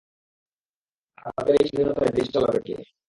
আর তাদের এই স্বাধীনতায় দেশ চালাবে কে?